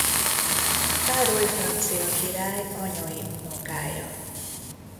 Károly francia király anyai unokája.